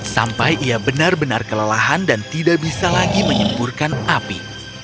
sampai ia benar benar kelelahan dan tidak bisa lagi menyemburkan api